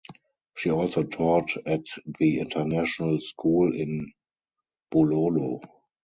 She also taught at the international school in Bulolo.